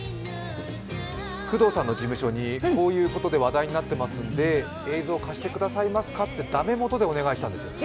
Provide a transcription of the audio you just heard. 工藤さんの事務所でこういうことで話題になっていますので、映像貸してくださいますかって、駄目元でお聞きしたんです。